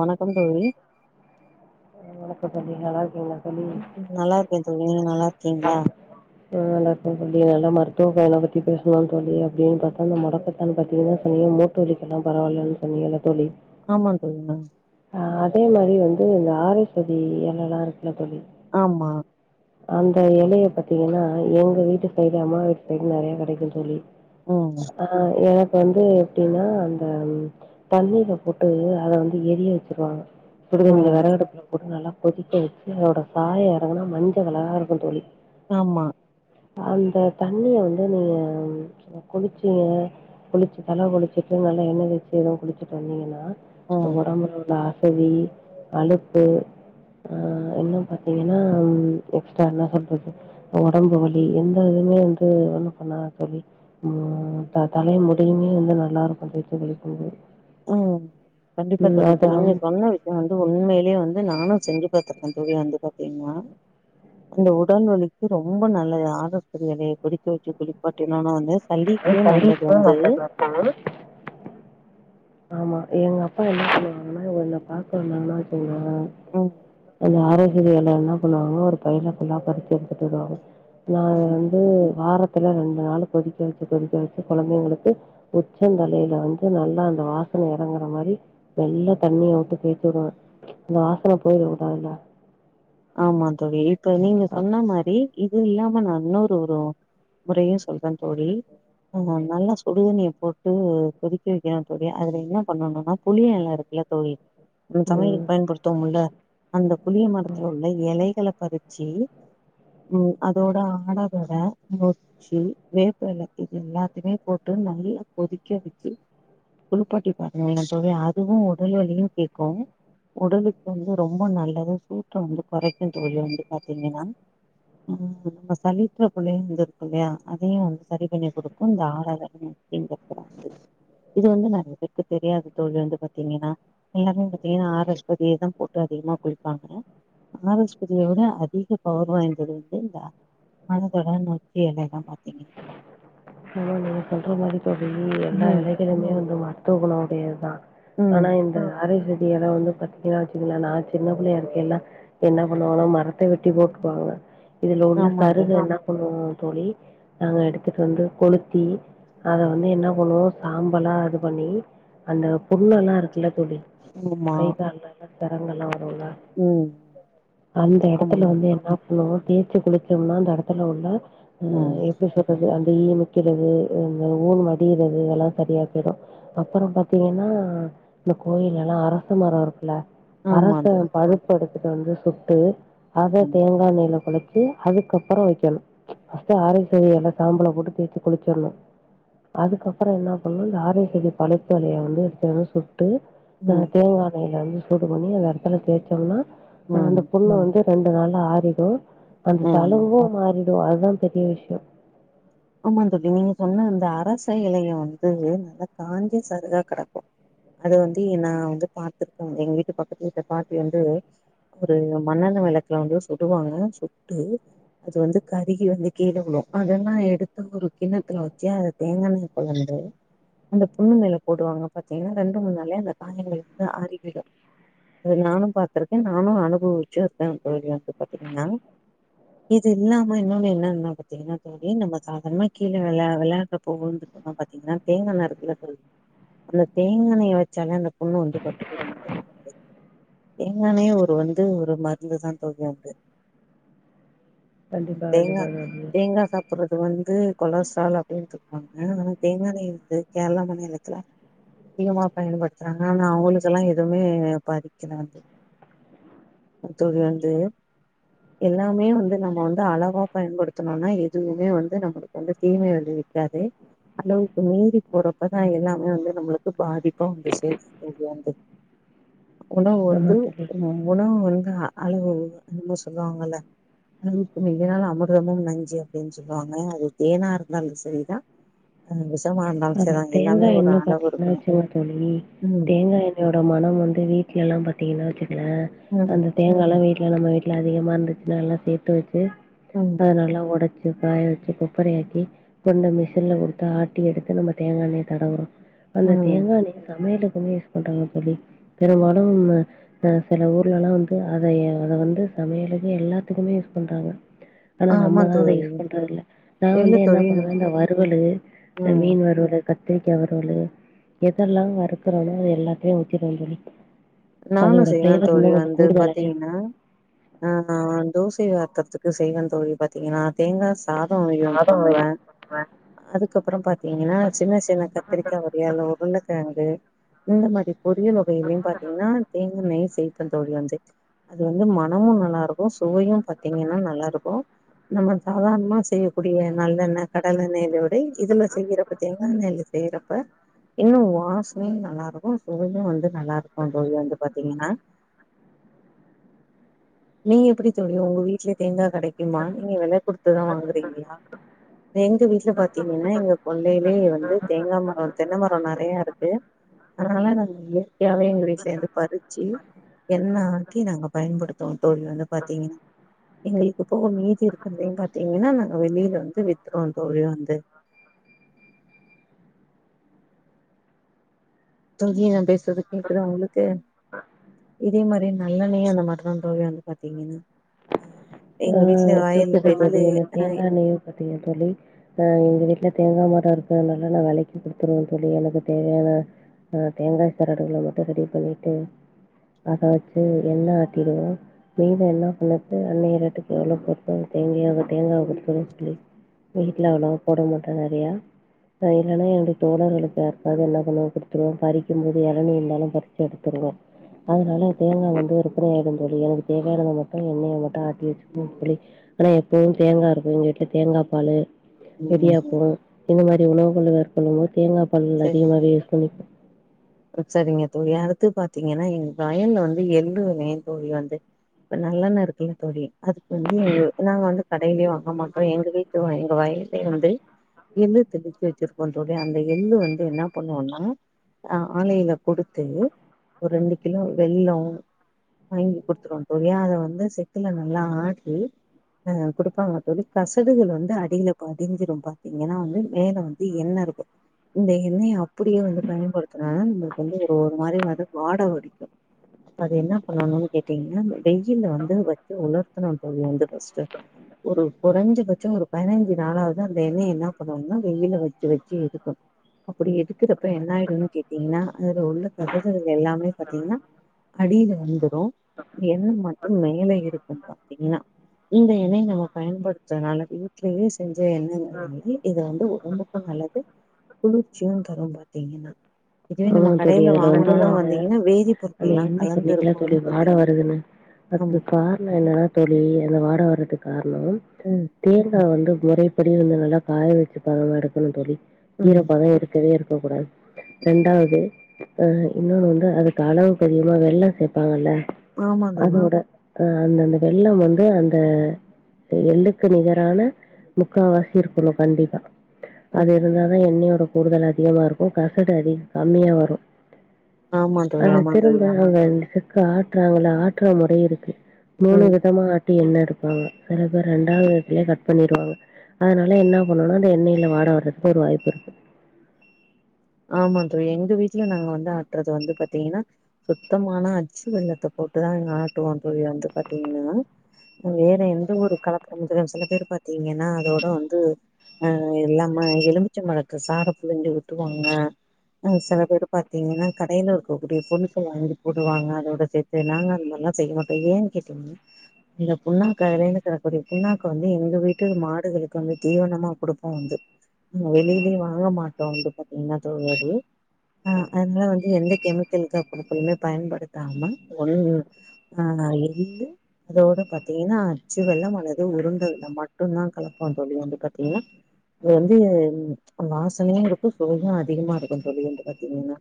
வணக்கம் தோழி அ வணக்கம் தோழி நல்லா இருக்கீங்களா தோழி ம் நல்லா இருக்கே தோழி நீங்க நல்லா இரு ஆ அ நல்லா இருக்கே தோழி நல்ல மருத்துவ பயன பத்தி பேசணுனு தோழி அப்டின்னு பாத்தா அந்த முடக்கத்தான் பாத்தீங்கன்னா சனிய தோழிக்கெல்லா பரவால்லன்னு சொன்னிங்கல்ல தோழி ஆமா தோழி நா சொ அதே மாரி வந்து இந்த ஆர் எஸ்பதி எலல்லா இருக்குல தோழி ஆமா அந்த இலைய பாத்தீங்கன்னா எங்க வீட்டு சைடு அம்மா வீட்டு சைடு நிறைய கிடைக்கு தோழி ம் ஆ எனக்கு வந்து எப்டின்னா அந்த தண்ணீல போட்டு அத வந்து எரிய வச்சிருவாங்க சுடுதண்ணில ம் வெறகடுப்புல போட்டு நல்லா கொதிக்க வச்சு அதோட சாயோ எறங்குனா மஞ்சக் கலரா இருக்கு தோழி ஆமா அந்த தண்ணிய வந்து நீங்க குளிச்சிங்க குளிச்சு தல குளிச்சிட்டு நல்லா எண்ணெ வச்சு எதுவு குளிச்சுட்டு வந்திங்கன்னா ம் அ ஒடம்பு நல்லா சளி அழுப்பு இன்னு பாத்தீங்கன்னா எக்ஸ்ட்ரா என்ன சொல்றது உடம்பு வலி எந்த இதுவுமே வந்து ஒன்னு பண்ணாது தோழி ம் தலை முடியுமே வந்து நல்லா இருக்கு தேச்சு குளிக்கும்போது ம் கண்டிப்பா ம் தோழி அது இப்ப நீங்க அவுங் சொன்ன யோ வந்து உண்மையிலேயே வந்து நானு செஞ்சு பாத்திருக்கே தோழி வந்து பாத்தீங்கன்னா அந்த உடல் வலிக்கு ரொம்ப நல்லது ஆர் எஸ்பதி எலையை கொதிக்கவச்சு குளிப்பாட்டினோன்னா வந்து சளிக்கு நல்லது வந்து ஆ ஆமா எங்க அப்பா என்ன பண்ணுவாங்கன்னா என்ன பாக்க வந்தாங்கனா வெச்சுக்கங்களே ம் அந்த ஆர் எஸ் பதி எல என்ன பண்ணுவாங்க ஒரு பையில ஃபுல்லா பறிச்சு எடுத்துட்டு வருவாங்க நா ம் வந்து வார ல ரெண்டு நாள் கொதிக்க வச்சு கொதிக்க வச்சு குழந்தைங்களுக்கு உச்சந்தலையில வந்து நல்லா அந்த வாசன இறங்குற மாரி நல்லா தண்ணிய விட்டு தேச்சு விடுவே அந்த வாசன போயிரு உடல்ல ஆமா தோழி இப்ப நீங்க சொன்ன மாரி இது இல்லாம நா இன்னொரு ஒரு முறையு சொல்றன் தோழி நல்லா சுடுதண்ணிய போட்டு கொதிக்க வெக்கணு தோழி அதுல என்ன பண்ணனும்னா புளி எல இருக்குல்ல தோழி நம் ம் சமயலுக்கு பயன்படுத்துவம்ல்ல அந்த புளிய மர துள்ள எலைகள பறிச்சு ம் அதோட [unintelligible] ச்சு வேப்ப எல இது எல்லாத்திமே போட்டு நல்லா கொதிக்க வெச்சு குளிப்பாட்டி பாருங்க சொல்றே அதுவு உடல் வலியு கேக்கு உடலுக்கு வந்து ரொம்ப நல்லது சூட்ட வந்து கொறைக்கு தோழி வந்து பாத்தீங்கன்னா ம் இப்போ [unintelligible] அதயு வந்து சரி பண்ணி குடுக்கு இந்த ஆரர [inaudible] இது வந்து நறய பேருக்கு தெரியாது தோழி வந்து பாத்தீங்கன்னா எல்லாருமே பாத்தீங்கன்னா ஆரஸ்பதியேதா போட்டு அதிகமா குளிப்பாங்க ஆரஸ்பதியவிட அதிக பவர் வாய்ந்தது வந்து இந்த [unintelligible] நொச்சி எல எல்லாம் பாத்தீங்க ஆமா நீங்க சொல்ற மாரி தோழி எல்லா ம் எலைகளுமே வந்து மருத்துவ குண உடையது தான் ம் ஆனா இந்த ஆரஸ்பதி எல வந்து பாத்தீங்கன்னா சின்னதுல நா சின்ன புள்ளையா இருக்கயில என்னா பண்ணுவாங்கன்னா மரத்த வெட்டி போட்டுவாங்க இதுல உள்ள ஆமா சருக தோழி என்ன பண்ணுவோ தோழி நாங்க எடுத்துட்டு வந்து கொளுத்தி அத வந்து என்ன பண்ணுவோ சாம்பலா இது பண்ணி அந்த புண்ணுலா இருக்குல தோழி ஆமா கை கால்லல்லா சரங்குல்லா வருல ம் அந்த ஆமா எடத்துல வந்து என்னா பண்ணுவோ தேச்சு குளிச்சம்னா அந்த எடத்துல உள்ள அ ம் எப்டி சொல்றது அந்த ஈ க்கிறது இந்த ஊல் வடியுறது இதெல்லா சரியா போய்டு அப்பறப் பாத்தீங்கன்னா இந்த கோயிலல்லா அரச மரோ இருக்குல்ல ஆமா அரச தோழி பழுப்பெடுத்துட்டு வந்து சுட்டு ஆத ம் தேங்கா எண்ணைல கொழ பி அதுக்கப்பறோ வெக்கணு ஃபர்ஸ்ட்டு ஆரஸ்வதீ எல சாம்பள போட்டு தேச்சு குளிச்சர்ணு அதுக்கப்பறோ என்னா பண்ணு இந்த ஆர செடி பழுத்த எலய வந்து எடுத்து சுட்டு அஹ் ம் தேங்கா எண்ணெய்ல வந்து சூடு பண்ணி அந்த எடத்துல தேச்சம்னா அஹ் ம் அந்த புண்ணு வந்து ரெண்டு நாள்ல ஆறிடு அந்த ம் தலும்பு மாறிடு அதுதா பெரிய விஷ்யோ ஆமாந் தோழி நீங்க சொன்ன அந்த அரச எலைய வந்து நல்லா காஞ்ச சருகா கடக்கு அது வந்து நா வந்து பாத்திருக்கோ எங்க வீட்டு பக்கத்து வீட்டு பாட்டி வந்து ஒரு மண்ணெண்ண வெளக்குலா வந்து சுடுவாங்க சுட்டு அது வந்து கருகி வந்து கீழ விழு அதல்லா எடுத் து ஒரு கிண்ணத்துல வச்சு அத தேங்கெண்ணய கலந்து அந்த புண்ணு மேல போடுவாங்க பாத்தீங்கனா ரெண்டு மூண் நாளே அந்த காயங்கள் வந்து அறிவிடு அது நானு பாத்துருக்க நானு அனுபவிச்சு இருக்க தோழி வந்து பாத்தீங்ன்னா இது இல்லாம இன்னொன்னு என்ன என்ன பாத்தீங்கன்னா தோழி நம்ம சாதார்ணமா கீழ விளா விளாடுறப்போ [unintelligible] பாத்தீங்கன்னா தேங்காண்ண இருக்குல தோழி அந்த தேங்கெண்ணய வெச்சாலே அந்த புண்ணு வந்து [unintelligible] தேங்கெண்ணயே ஒரு வந்து ஒரு மருந்துதா தோழி அது ம் கண்டிப்பா தேங்கா கண்டிப்பா தோழி தேங்கா சப் ட்டு வந்து கொலஸ்ட்ரால் அப்டின்ட்டுக்வாங்க ஆனா தேங்கெண்ணய வந்து கேரளா மாநிலத்துல அதிகமா பயன்படுத்துறாங்க ஆனா அவுங்களுக்கெல்லா எதுவுமே பாதிக்கல வந்து தோழி வந்து எல்லாமே வந்து நம்ம வந்து அழவா பயன்படுத்துணோம்னா எதுவுமே வந் ந்து நம்மளுக்கு வந்து தீமை விழைவிக்காது அளவுக்கு மீறி போறப்பதா எல்லாமே வந்து நம்மளுக்கு பாதிப்பா வந்து சேர்த்து முடியறது உணவு வந்து ஆமா தோழி உ உணவு வந்து அளவு என்னமோ சொல்லுவாங்கல்ல அளவுக்கு மீறினால் அமிர்தமும் நஞ்சு அப்டின் சொல் லுவாங்க அது தேனா இருந்தாலு சரிதான் ஆ விஷமா இருந்தா அந்த தேங்கா எண்ண பாத்தீங்கன்னா வச்சுங்க தோழி ம் தேங்கா எண் இதோட மன வந்து வீட்டு்லல்லா பாத்தீங்கன்னா வச்சுக்கல ம் அந்த தேங்காலா வீட்ல நம்ம வீட்ல அதிகமா இருந்துச்னா நல்லா சேத்து வச்சு அத ம் நல்லா ஒடச் சு காய வச்சு கொப்பரயாக்கி கொண்டு மிஷின்ல கொடுத்து ஆட்டி எடுத்து நம்ம தேங்காண்ணய தடவுறோ அந்த ம் தேங்காயெண்ணய சமையலுக்குமே யூஸ் பண்றாங்க தோழி பெரும்பாலு நம ம சில ஊர்லல்லாம் வந்து அதய அத வந்து சமையலுக்கு எல்லாத்துக்குமே யூஸ் பண்றாங்க ஆனா ஆமா நம்ம தா அதை தோழி யூஸ் பண்ணுறதில்லை நா இல்ல வந்து என்ன தோழி பண்ணுவே இந்த வறுவலு ம் மீன் வறுவலு கத்திரிக்கா வறுவலு எதெல்லா வறுக்குறேனோ எல்லாத்தையு ஊத்திட்டு வந்து நானு செய்வே தோழி வந்து கூடுதலாவே இருக்கும். பாத்தீங்கன்னா ஆ தோசய வார்க் றதுக்கு செய்வே தோழி பாத்தீங்கன்னா தேங்காச் சாதயோ பண்ணுவே அதுக்கப்றோ பாத்தீங்கன்னா சின்ன சின்ன கத்திரிக்காவ ஏ உருண்டக்கழங்கு இந்த மாரி பொரியல் வகையிலியு பாத்தீங்கன்னா தேங்காண்ணையு சேப்ப தோழி வந்து அது வந்து மனமு நல்லாருக்கு ஓ சுவையு பாத்தீங்கன்னா நல்லா இருக்கு நம்ம சாதாரணமா செய்யக்கூடிய நல்லெண்ண கடலெண்ணெயோடு இதுல செய்யறப்ப தேங்காண்ணெய்ல செய்யறப்பை இன்னு வாசனையு நல்லாருக்கு சுவையு வந்து நல்லாருக்கு தோழி வந்து பாத்தீங்கன்னா நீ எப்டி தோழி உங்க வீட்ல தேங்கா கெடக்குமா நீங்க வில குடுத்துதா வாங்குறீங்ளா எங்க வீட்ல பாத்தீங்கன்னா எங்க கொள்ளைலே வந்து தேங்கா மரோ தென்ன மரோ நெறயாருக்கு அதனாலதா நாங்க இயற்கையாவே எங்க வீட்லந்து பறிச்சு எண்ண ஆக்கி நாங்க பயப்படுத் தோ தோழி வந்து பாத்தீங்கன்னா எங்களுக்கு போக மீதிருக்க தேங்கா பாத்தீங்கன்னா நாங்க வெளில வந்து வித்து ருவோ தோழி வந்து தோதி நா பேசுறது கேக்குதா உங்களுக்கு இதே மாரி நல்லண்ணயா எண்ண மாற்றலாம் தோழி வந்து பாத்தீங்கன்னா அ ஆ கேக்குது தொழி எனய ஆ தேங்காண்ணய பாத்திங்க தொழி ஆ எங்க வீட்ல தேங்கா மரோ இருக்றனால நா வெலக்கி குடுத்துருவே தொழி எனக்கு தேவயான ஆ தேங்காய் சரடுகள மட்டு ரெடி பண்ணிட்டு அத வச்சு எண்ண ஆட்டிடுவோ மீத என்ன பண்ணுட்டு அன்னைய ரேட் டுக்கு எவ்வளோ [unintelligible] வெளிக்கெல்லா அவ்ளோ போட மாட்டோ நெறயா அது இல்லன்னா எனுடைய தோழர்களுக்கு யாருக்காவது இல்லாதங்களுக்கு குடுத்துருவோ பறிக்கும்போது எளநி இருந்தாலு பறிச்சி எடுத்துருவோ அதனால தேங்கா வந்து விற்பன ஆயிடு தோழி எனக்கு தேவயானது மட்டு எண்ணய மட்டு ஆட்டி வச்சு ம் தொழி ஆனா எப்பவும் தேங்காருக்கு எங்க வீட்ல தேங்கா பாலு ம் இடியாப்போ இந்த மாரி உணவுகள மேற்கொள்ளும்போது தேங்கா பால் சரி அதிகமாவே யூஸ் பண்ணிப்போ சரிங்க தோழி அடுத்து பாத்தீங்கன்னா எங்க வயல்ல வந்து எள்ளு [unintelligible] தோழி வந்து இப்ப நல்லண்ண இருக்குல்ல தோழி அதுக்கு வந்து எங்க நாங்க வந்து கடையில வாங்க மாட்டோ எங்க வீட் எங்க வயல்லே வந்து எள்ளு தெளிச்சு வச்சிருக்கோ தொழி அந்த எள்ளு வந்து என்னா பண்வோன்னா ஆலைல குடுத்து ஒரு ரெண்டு கிலோ வெல்லோ வாங்கி குடுத்ருவோ தோழி அத வந்து செக்குல நல்லா ஆட்டி அ குடுப்பாங்க தோழி கசடுகள் வந்து அடில படிஞ்சிரு பாத்தீங்கன்னா வந்து மேல வந் து எண்ண இருக்கு இந்த எண்ணய அப்டியே வந்து பயன்படுத் துனா நமளுக்கு வந்து ஒரு ஒரு மாரி வந்து வாட அடிக்கு அத என்ன பண்ணனு கேட்டீங்கன்னா வெய்யில்ல வந்து வச்சு உலர்த்தணு தோழி வந்து ஃபஸ்ட்டு ஒரு கொறஞ்சபட்சோ ஒரு பைனஞ்சு நாளாவது அந்த எண்ணய என்ன பண்ணனுன்னா வெயில்ல வச்சு வச்சு எடுக்கணு அப்டி எடுக்றப்ப என்னாயிடுனு கேட்டீங்கன்னா அது உள்ள கசடுகள் எல்லாமே பத்தீங்னா அடில வந்துடு எண்ண மட்டு மேல இருக்கும் பாத்தீங்னா இந்த எண்ணைய நம்ம பயன்படுத்றனால வீட்லயே செஞ்ச எண்ணங்ற மாரி இத வந்து ஒடம்புக்கு ரொம்ப நல்லது குளிர்ச்சியு தரு பாத்தீங்கன்னா இதுவே ஆமா நம்ம தொழி கடையில அதுல வந்து வாங்கணும்னா நீங்க வந்தீங்கன்னா அந்த வேதிப்பொருட்கள் எல்லாம் எண்ண கலந்து சொன்னீங்கள்ல இருக்கும் தோழி அதுல வாட பாத்தீங்கன்னா வருதுன்னு அதுக்கு ஆமா காரணோ என்னன்னா தோழி அந்த வாட வர்றதுக்கு கார்ண ம் தேங்கா வந்து மொறைப்படி வந்து நல்லா காய வச்ச பதமா எடுக்கணு தோழி ம் ஈரப்பதம் இரு க்கவே ர்க்க கூடாது ரெண்டாவது அ இன்னொன்னு வந்து அதுக்கு அளவுக்கதிகமா வெல்ல சேப்பாங்கல்ல ஆமா தோழி அதோட அ அந்தந்த வெல்ல வந்து அந்த எள்ளுக்கு நிகரான முக்காவாசி இருக்கணு கண்டிப்பா அது ம் இருந்தாதா எண்ணயோட கூடுதல் அதிகமா இருக்கு கசடு அதி கம்மியா வரும் ஆமா தோழி அதத் ஆமா தோழி திரும்ப அவங் [unintelligible] ஆட்றாங்கல ஆட்டுற முறை இருக்கு மூணு ம் விதமா ஆட் எண்ண எடுப்பாங்க சில பேர் ரெண்டாவது எடத்துலயே கட் பண்ணிருவாங்க அதனால என்ன பண்ணனுனா அந்த எண்ணயில வாட வர்றதுக்கு ஒரு வாய்ப்புருக்கு ஆமா தோழி எங்க வீட்ல நாங்க வந்து ஆட்றது வந்து பாத்தீங்கனா சுத்தமான அச்சு வெள்ளத்த போட்டுதா இங்க ஆட்டுவோ தோழி வந்து பாத்தீங்கனா வேற எந்த ஒரு கலப்படோ இருக்காது சில பேர் பாத்தீங்கன்னா அதோட வந்து அ எல்லாம எலுமிச்சம் பழத்து சார புழுஞ்சி உட்ருவாங்க ம் செல பேரு பாத்தீங்கன்னா கடையில இருக்கக்கூடிய பொருட்கள வாங்கி போடுவாங்க அதோட சேத் து நாங்க அந்த மாரிலா செய்ய மாட்டோ ஏன் கேட்டீங்கனா இந்த புண்ணாக்க அதுலேந்து கெடைக்கக்கூடிய புண்ணாக்க வந்து எங்க வீட்டு மாடுகளுக்கு வந்து தீவனமா குடுப் உண்டு வெளியிலயே வாங்க மாட்டோ உண்டு எல்லா தெர்யாது ஆ அதுனால வந்து எந்த கெமிக்கல் க டுக்கணுமே பயன்படுத்தாம ஒண்ண ஆஎள்ளு அதோட பாத்தீங்கனா அச்சு வெல்லம் அல்லது உருண்ட வெல்லம் மட்டுந்தா கலப்போ தோழி வந்து பாத்தீங்னா இது வந்து ம் வாசனையா இருக் கு சுவையு அதிகமா இருக்கும் தோழி என்று பாத்தீங்கனா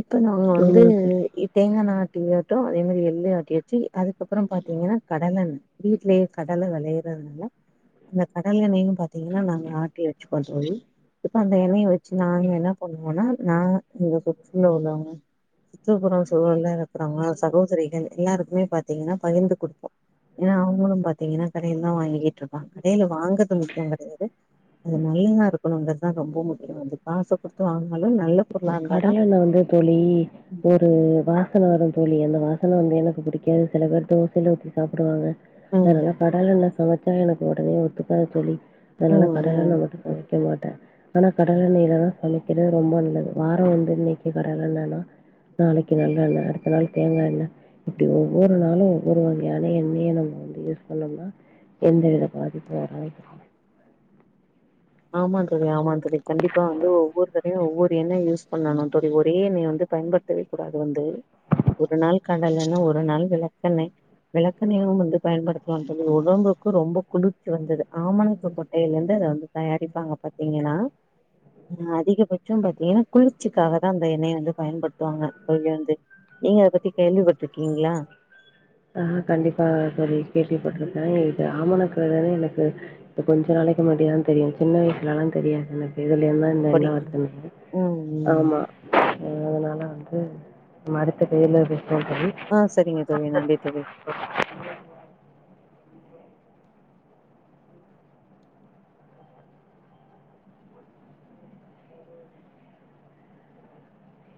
இப்ப நாங்க வந்து ஆமா எப் தேங்காண்ண ஆட்டி ஆட்டோ அதே மாதிரி எள்ளும் ஆட்டியாச்சு அதுகப்பறோ பார்த்தீங்கனா கடலெண் வீட்லேயே கடல வெளையுறதுனால அந்த கடல எண்ணையு பாத்தீங்கனா நாங்க ஆட்டி வச்சுக்குவோ தோழி இப்ப அந்த எண்ணைய வச்சு நாங்க என்ன பண்ணுவோம்னா நா எங்க சுற்றுல உள்ளவங்க சுத்திப்புறோ சூழல்ல இருக்குறவங்க சகோதரிகள் எல்லாருக்குமே பாத்தீங்கனா பகிர்ந்து குடுப்போ ஏன்னா அவங்களு பாத்தீங்கனா கடையில் தா வாங்கிகிட் இருபாங்க கடையில வாங்கறது மட்டு கெடையாது அது நல்லதா இருக்கனுங்கறதுதா ரொம்ப முக்கியோ அது காசக் கொடுத்து வாங்கினாலு நல்ல பொருளா இருந்தாதா கடலெண்ண வந்து தோழி ஒரு வாசன வருந்தோழி அந்த வாசன வந்து எனக்கு புடிக்காது சில பேரு தோசையில ஊத்தி சாப்டுவாங்க அதனால கடலெண்ணல சமச்சா எனக்கு ஒடனே ஒத்துகாது தோழி அதனால ம் கடலெண்ண ம் மட்டு சம மக்க மாட்டே ஆனா கடலெண்ணையில தா சமைகிறது ரொம்ப நல்லது வாரோ வந்து இன்னைக்கு கடலெண்ணனா நாளைக்கு நல்லெண்ண அடுத்த நாள் தேங்கா எண்ண இப்டி ஒவ்வொரு நாளு ஒவ்வொரு வகையான எண்ணெய நம்ம வந்து யூஸ் பண்ணோம்னா எந்தவித பாதிப்பு வராது ஆமாந் தோழி ஆமாந் தோழி கண்டிப்பா வந்து ஒவ்வொரு தடவையு ஒவ்வொரு எண்ணெய யூஸ் பண்ணணு தோழி ஒரே எண்ணெய வந்து பயன்படுத் தவே கூடாது வந்து ஒரு நாள் கடலெண்ணெ ஒரு நாள் வெளக்கெண்ணெ வெளக்கெண்ணெயு வந்து பயன்படுத் தனு தோழி உடம்புக்கு ரொம்ப குளிர்ச்சி வந்தது ஆமணக்கு கொட்டையில இருந்து அத வந்து தயாரிப்பாங்க பாத்தீங்கனா அதிகபட்சோ பாத்தீங்கனா குளிர்ச்சிகாக தா அந்த எண்ணெய வந்து பயன்படுத்துவாங்க அதுலேந்து நீங்க அத பத்தி கேள்விபட்ருக்கீங்ளா ஆ கண்டிப்பா தோழி கேள்விபட்ருக்கே இது ஆமணக்குனாலே எனக்கு இப்ப கொஞ்ச நாளைக்கு முன்னாடி தா தெரியு சின்ன வயசுலலா தெரியாதுல்ல இதுலந்தா இந்த எண்ண அப்படியா வர்துனு ம் ம் ஆமா அதுனால வந்து மரத்து வெயில்ல வெப்போ தோழி ஆ செரிங்க தோழி நன்றி தோழி